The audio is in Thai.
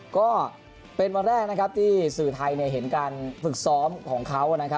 ก็เป็นวันแรกนะครับที่สื่อไทยเห็นการฝึกซ้อมของเขา